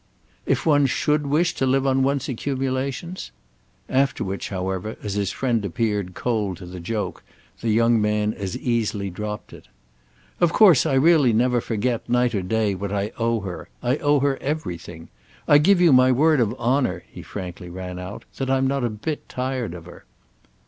"If one should wish to live on one's accumulations?" After which, however, as his friend appeared cold to the joke, the young man as easily dropped it. "Of course I really never forget, night or day, what I owe her. I owe her everything. I give you my word of honour," he frankly rang out, "that I'm not a bit tired of her."